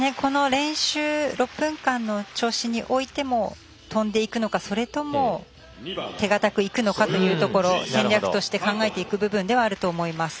６分間の調子においても跳んでいくのか、それとも手堅くいくのかというところ戦略として考えていく場面ではあると思います。